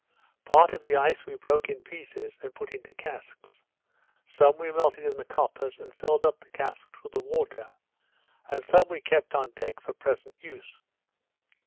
Part of the ice we broke in pieces, and put into casks; some we melted in the coppers, and filled up the casks with the water; and some we kept on deck for present use.